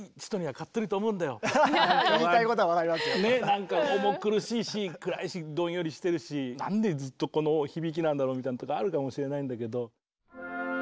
なんか重苦しいし暗いしどんよりしてるしなんでずっとこの響きなんだろうみたいなとこあるかもしれないんだけど。